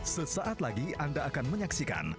sesaat lagi anda akan menyaksikan